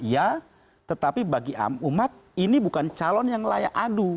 ya tetapi bagi umat ini bukan calon yang layak adu